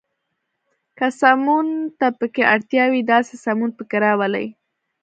که سمون ته پکې اړتیا وي، داسې سمون پکې راولئ.